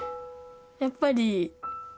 やっぱり。